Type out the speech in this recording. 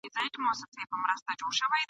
په مړانه زړه راغونډ کړو د قسمت سره جنګیږو ..